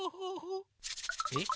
えっ？